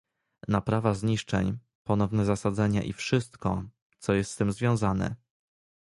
naprawa zniszczeń, ponowne zasadzenia i wszystko, co jest z tym związane